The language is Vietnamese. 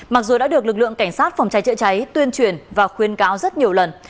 mặc dù đã được lực lượng cảnh sát phòng cháy chữa cháy tuyên truyền và khuyên cáo rất nhiều lần